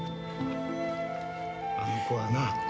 あの子はな